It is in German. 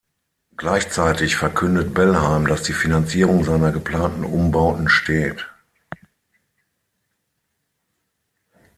Gleichzeitig verkündet Bellheim, dass die Finanzierung seiner geplanten Umbauten steht.